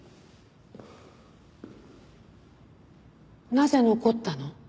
なぜ残ったの？